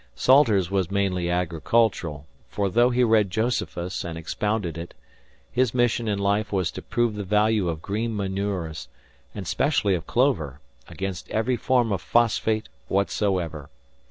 Salters was mainly agricultural; for, though he read "Josephus" and expounded it, his mission in life was to prove the value of green manures, and specially of clover, against every form of phosphate whatsoever.